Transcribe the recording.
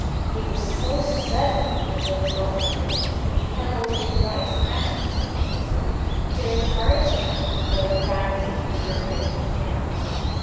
He was so certain of the result, that he held his wife's hand in his, to encourage her, when the bandage was removed from him.